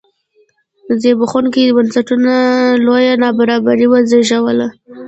زبېښوونکو بنسټونو لویه نابرابري وزېږوله.